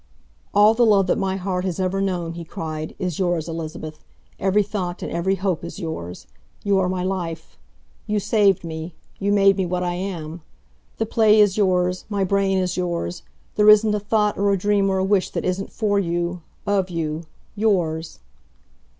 "All the love that my heart has ever known," he cried, "is yours, Elizabeth! Every thought and every hope is yours. You are my life. You saved me you made me what I am. The play is yours, my brain is yours, there isn't a thought or a dream or a wish that isn't for you of you yours!"